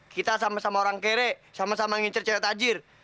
kita sama sama orang kere sama sama ngincir cerita tajir